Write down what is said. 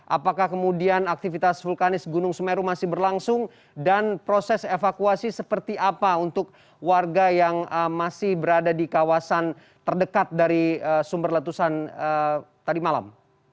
apakah kemudian aktivitas vulkanis gunung semeru masih berlangsung dan proses evakuasi seperti apa untuk warga yang masih berada di kawasan terdekat dari sumber letusan tadi malam